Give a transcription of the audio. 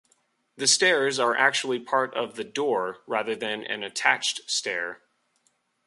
The stairs are actually part of the door rather than an attached stair.